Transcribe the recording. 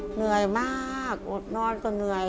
เหนื่อยมากอดนอนก็เหนื่อย